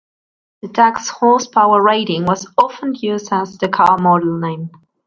The tax horsepower rating was often used as the car model name.